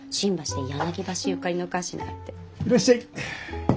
いらっしゃい。